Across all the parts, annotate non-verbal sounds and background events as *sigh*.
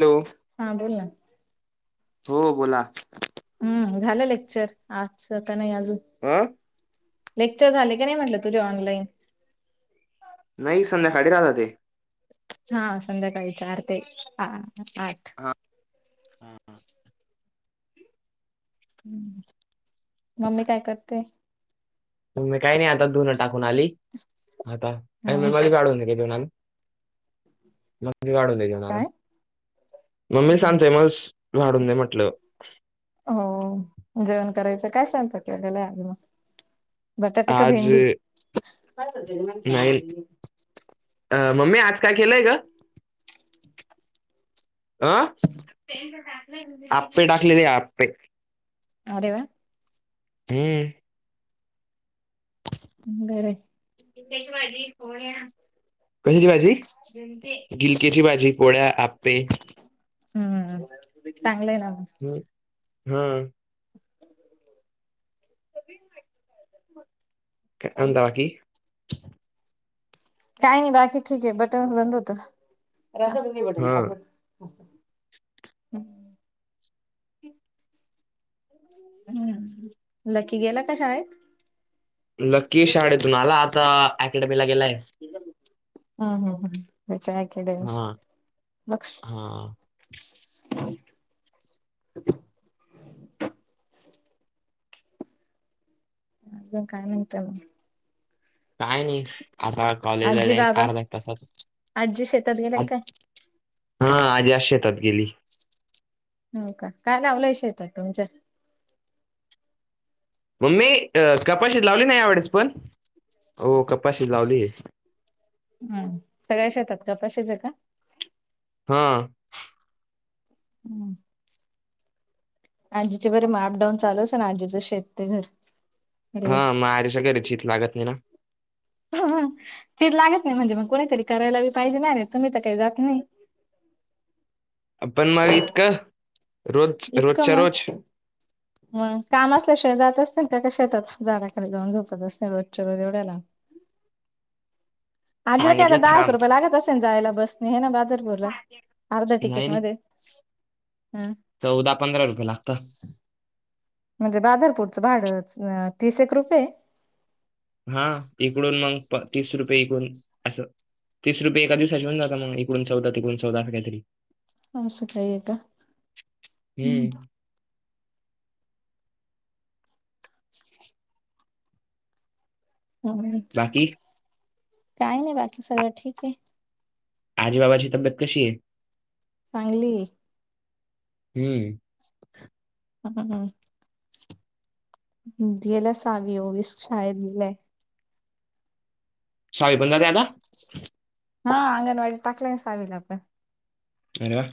Hello हां बोल ना हो बोला हम्म झालं लेक्चर आजच का नाही अजून हं लेक्चर झाले की नाही म्हटलं तुझे ऑनलाईन नाही संध्याकाळी राहत ते हा संध्याकाळी चार ते आठ हां हां ह् मम्मी काय करते तुही काही नाही आता धुनं टाकून आली आता काही हम् मेमरी काढून ने दुनं म वाडून दे घेणाला काय मम्मी हम्म. सांगते मस वाडून दे म्हटलं *inaudible* हो जेवण करायचं काय सांगत के गलाय आज मग बटाट का आज भेंडी अ मम्मी आज काय केलंय का अ आपे टाकलेली आपे अरे वा ते ह् बर इेची भाजी कोण कशाची भाजी गिलकची भाजी पोळ्या आपे हम्म चांगलं आहे ना हम् हम्म *inaudible* ंदा की *inaudible* काही नाही बाकी ठीक आहे बटन बंद होत हा बट हम्म लकी गेला का शाळेत लकी शाडेतून आला आता अकॅडमीला गेलाय हम्म हम्म हेची अकॅडमी हा लक्ष हा हम अ काय म्हणते मग काय नाही आता कॉलेजला आजी जाईन बाबा अर्धा तासात आजी शेतात गेल्या काय हा आजी अश शेतात गेली ह का काय लावलायशेतात तुमच्या मम्मी कपाशीत लावली नाही आवडेस पण हो कपाशीत लावली हम् सगळ्या शेतात कपाशीेज आहे का हां हम्म आजीचे बरे आप डाऊन चालूच ना आजीच शेत ते घर. हा रोज मग आरषा क रचीत लागत नाही ना? तीच लागत नाही म्हणजे मग कोणीतरी करायलाी पाहिजे नाही रे तुम्ही तर काही जात नाही. आपण मग इतकं रोज इतक रोजच्या म रोज मग काम असल्याशिवाय जात असते त्या शेतात झाडाखाली जाऊन झोपत असते रोजच्या रोज एवढ्याला. आजला काय सांगितलं दहा एक थांब. रुपया लागत असतील? जायला बसनी हे ना बादर बोला अर्ध तिकेट मध्ये हम् चौदा पंधरा रुपये लागत. म्हणजे बादरपूरचं भाडं तीस एक रुपये? हा इकडून मग तीस रुपये तिकडूनअसं तीस रुपये एका दिवसाच्याशीव जात मग एकण चौदा एकण चौदा काहीतरी मस काय का? हम्म *inaudible* हम बाकी? काही नाही बाकी सगळं ठीक आहे. आजी बाबाची तब्यत कशी आहे? चांगलिये. हम्म हम्म हम् गेला सावी ओवीस शाळेत साडे पंधरा द्या ना हा अंगणवाडी टाकला सावील आपण आरे व्हा!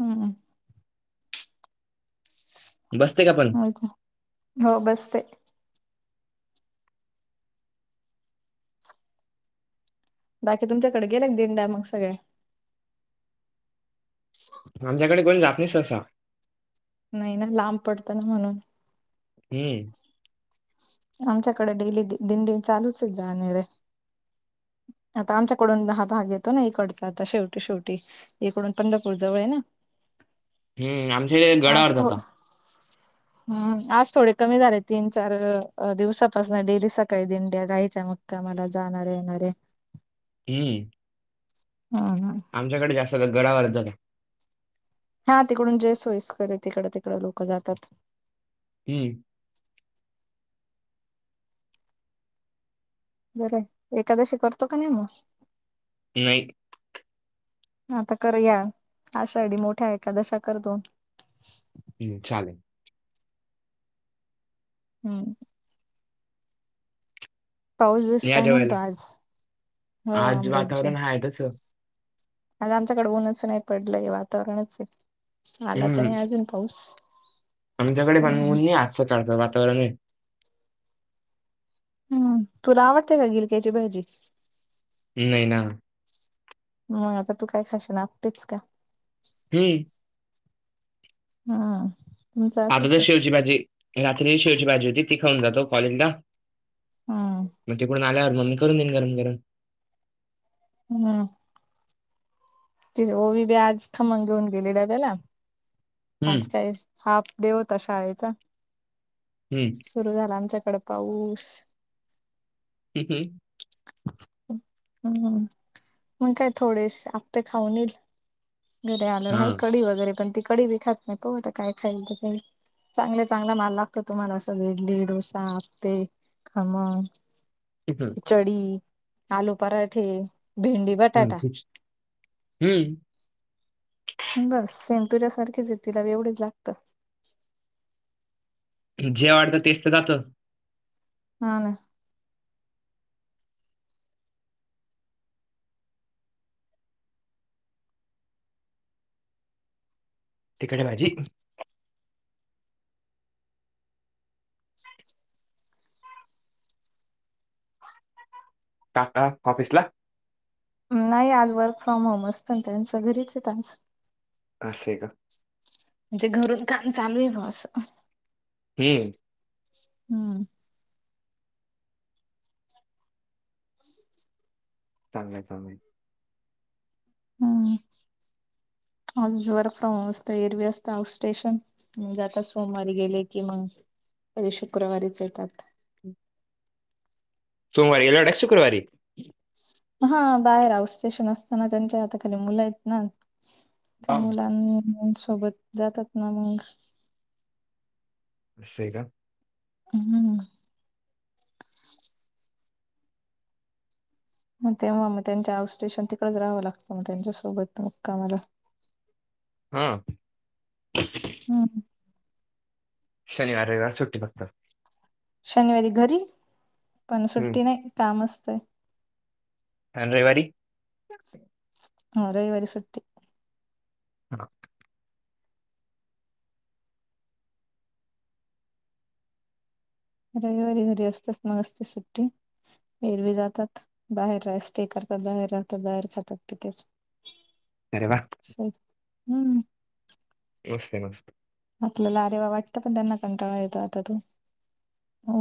हम् बसते का पण हो बसते. बाकी तुमच्याकडे गेले एक दिंडा मग सगळे? आमच्याकडे कोण जातणीस असा नाही ना लांब पडतं ना म्हणून. हम्म आमच्याकडे डेली दिनदिन चालूचच जाणार रे! आता आमच्याकडून दहा भाग येतो ना इकडचा आता शेवटी शेवटी. इकडून पंढरपूर जवळ आहे ना. हं. आमच्या आज गडावर जाता. हम्म आज थोडे कमी झाले तीन, चार अ दिवसापासून डेली सकाळी दिंड्या जायच्या मुक्का मला जाणारे येणारे हम्म ह ह आमच्याकडे जास्त गडवरदल आहे. हा तिकडून जे सोयीस्करे तिकडं तिकडं लोकं जातात. हम बरं एखादशी करतो का नाही मग? नाही. आता करू या आषाढ मोठ्या एखादशा करतो. छान! हम्म पाऊस दिवस या काय जेवायला म्हणतो आज? हो अमृज्य नाही तच आज आमच्याकड ऊनच नाही पडलंय वातावरणच आहे आला तर हम्म नाही अजून पाऊस आमच्याकडे हम्म बांून असं काढतं वातावरण आहे हम् तुला आवडतेय का गिरक्याची भाजी नाही ना मग आता तू काय खाश नातेस का हम् हा आद ते सेवजी बाजी रात्री सेवजी बाजी होती ती खाून जातो कॉलेजला हम्म मग तिकडून आल्यावर मम् ममी करून देईन गरम गरम हम्म तिथे ओ विी बी आज खमग घेऊन गेले डब्याला आज हम्म काही हाफ डे होता शाळेचा ह सुरु झाला आमच्याकडे पाऊस ह ह हम्म मग काय थोडेस आपे खाऊनईल घरी येणार हा आहे कडी वगैरे पण ती कडी व खात नाही प आता काय खाय चांगले चांगला माल लागतो तुम्हाला अस इडली डोसा हते हम इ आलू पराठे भेंडी हम् बटाटा कच हम्म बस सेंतुर्या सारखीच आहे तिला एवढेच लागतं जे वाटतं तेच तर जातं हा ना तिकडे भाझी *unintelligible* काका कॉफिस ला नाही आज वर्क फ्रॉम होम असतं ना त्यांच घरीच येत आज अस का म्हणजे घरून काम चालू आहे भा असं ह हम्म चांगला चांग आहे हम्म वर्क फ्रॉम होम असत एरवी असत आउट स्टेशन म्हणजे आता सोमवारी गेले कि मग कधी शुक्रवारीच येतात सोमवारी एलढ शुक्रवारी हा बाहेर आ स्टेशन असताना त्यांच्या आता खाली मुलं आहेत ना ते हा, मुलां सोबत जातात ना मग नि का हम्म मग तेव्हा मग त्यांच्या आउ सटेशन तिकडच राहावं लागतं मग त्यांच्यासोबत मग कामाला हा हम् ह शनिवार रविवार सुट्टी बघतात शनिवारी घरी पण हम्म सुट्टी नाही काम असतंय रेवारी ह रविवारी सु्टी हा रविवारी घरी असतेात मग असते सुट्टी फरवी जातात बाहेर राहा स्टे करतात बाहेर राहतात बाहेर खातात तिथे हम् अरे वा हम्म मस्त आहे मस्त आपल्याला अरेवा वाटत पण त्यांना कंटाळा येतो आता तू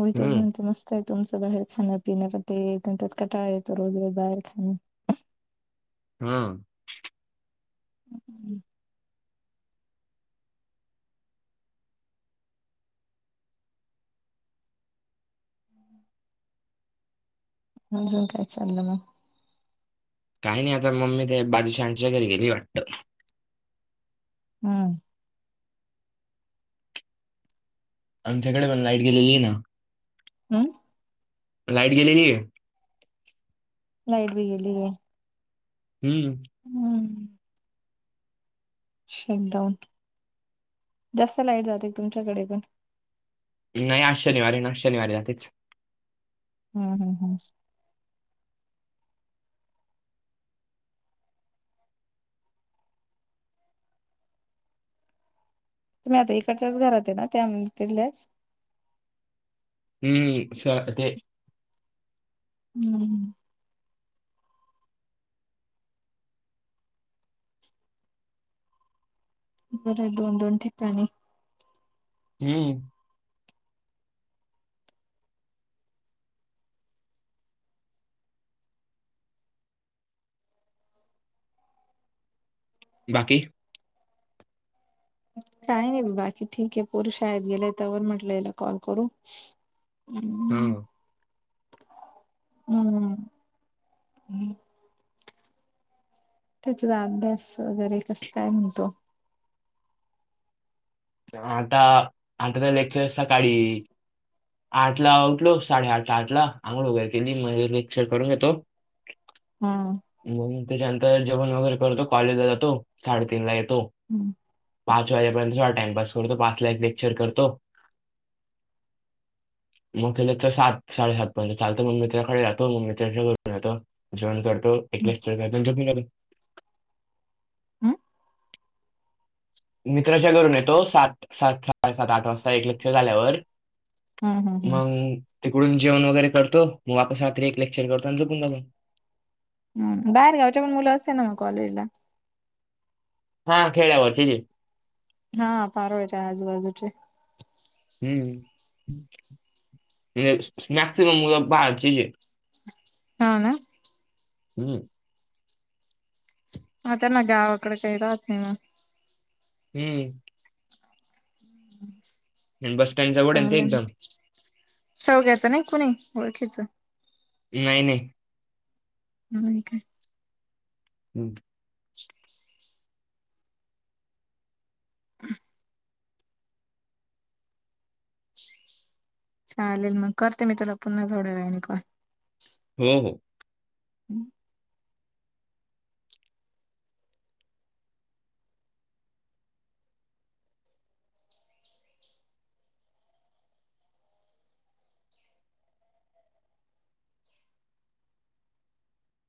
उळच हम्म म्हणते मस्त काय तुमचं बाहेर खाण पिं ते त्यात कटाळा येतो रोज रोज बाहेर खाणं हा हम् हम अजून काय चाललं मग काही नाही आता मम्मी ते बाजू शानच्या घरी गेली वाटतं हम्म आमच्याकडे पण लाईट गेलेली आहे ना हम्म लाईट गेलेली आहे लाईट बी गेली ऐ हम्म हम्म शटडाऊन जास्त लाईट जाते तुमच्याकडे पण नाही आ शनिवारी ना शनिवारी जाते च हम् हम् हम् तुम्ही आता इकडच्याच घरात आहे ना त्या तिथल्या च हम्म शस् ते हम्म बरं दोन दोन ठिकाणी हम्म बाकी काही नाही बाकी ठीक आहे पोर शाेत गेलंय त्यावर म्हटलं याला कॉल करू ह हम्म हम् त्या त अभ्यास वगैरे कस काय म्हणतो आता आता काय लेक्चर सकाळी आठ ला उठलो साडेआठ ला आठ ला आंघोड वगैर केली म्हटलं लेक्चर करून घेतो हम मग त्याच्यानंतर जेवण वगैरे करतो कॉलेजला जातो साडेतीीन ला येतो हम्म पाच वाजेपर्यंत थोडा टाइमपास करतो पाच लाख लेक्चर करतो मग त्याला तर सात साडे सात पर्यंत चालत मग मित्राकडे जातो मग मित्राच्या घरून येतो जेवण करतोय एकच जखमीलाो हम्म मित्राच्या घरून येतो सात सात सडे सात आठ वाजता एक लेक्चर झाल्यावर हम् मग तिकडून जेवण वगैरे करतो मग वापस एक रात्री एक लेक्चर करतो आणि झोपून जातो हम बाहेर घ्यायच्या पण मुलं असे ना मग कॉलेजला हां खेळ आवर ठीके जे हा सारो आहेच आजूबाजूचे हम्म म्हणजे मॅक्सिमम म बाहेचीजे हा ना हम्म ह त्यां ना गावाकडे काही राहत नाही ना हम् आणि बस स्टँड जवळ आहे ना ते चांगलं एकदम शवग्याच नाही कुणी ओळखीचं नाही नाही ह काय हम्म *unintelligible* क चालेल मग करते मी तुला पुन्हा जवड वय निघून हो हो हम्म